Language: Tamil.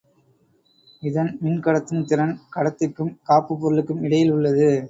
இதன் மின் கடத்தும் திறன் கடத்திக்கும் காப்புப் பொருளுக்கும் இடையில் உள்ளது.